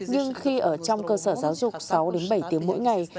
nhưng khi ở trong cơ sở giáo dục sáu bảy tiếng mỗi ngày